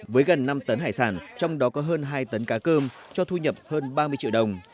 với gần năm tấn hải sản trong đó có hơn hai tấn cá cơm cho thu nhập hơn ba mươi triệu đồng